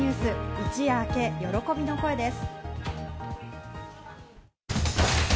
一夜明け、喜びの声です。